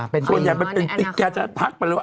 เป็นตัวอย่างแกจะทักไปแล้ว